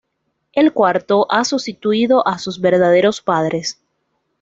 El cuarto ha sustituido a sus verdaderos padres.